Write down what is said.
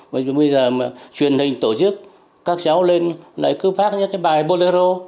bây giờ mà truyền hình tổ chức các cháu lên lại cứ phát những cái bài bolero